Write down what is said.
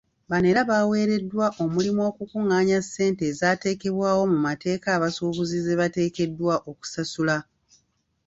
Bano era baweereddwa omulimu okukungaanya ssente ezaateekebwawo mu mateeka abasuubuzi ze bateekeddwa okusasula.